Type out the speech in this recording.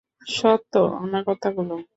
সত্যা, আমার কথা শুনো!